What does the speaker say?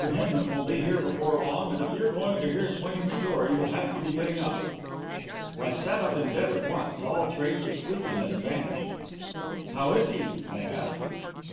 Hinman will be here before long, and if you're going to hear Swain's story, you'll have to be getting up." I sat up in bed at once, all trace of sleepiness vanished. "How is he?" I asked.